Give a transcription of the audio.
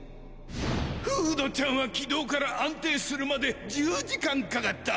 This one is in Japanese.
フードちゃんは起動から安定するまで１０時間かかった！